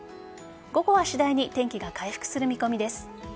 午後は次第に天気が回復する見込みです。